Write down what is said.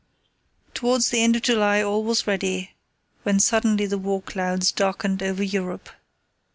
Towards the end of July all was ready, when suddenly the war clouds darkened over Europe.